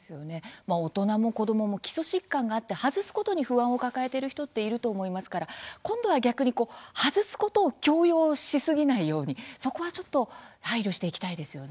大人も子どもも基礎疾患があって外すことに不安を抱えている人っていると思いますから今度は逆に外すことを強要しすぎないようにそこはちょっと配慮していきたいですよね。